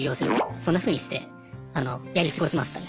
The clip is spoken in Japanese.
そんなふうにしてやり過ごしましたね。